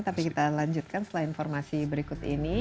tapi kita lanjutkan setelah informasi berikut ini